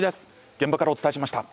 現場からお伝えしました。